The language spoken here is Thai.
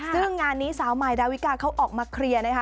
ซึ่งงานนี้สาวใหม่ดาวิกาเขาออกมาเคลียร์นะคะ